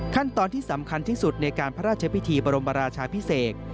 ขั้นตอนที่สำคัญที่สุดในการพระราชพิธีบรมราชาพิเศษ